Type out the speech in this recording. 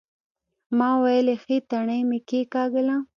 ما ويلې ښه تڼۍ مې کېکاږله.